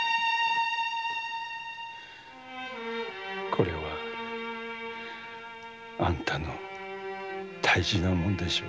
これはあんたの大事なもんでしょう？